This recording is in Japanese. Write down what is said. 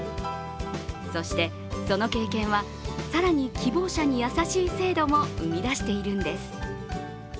そして、その経験は更に希望者に優しい制度も生み出しているんです。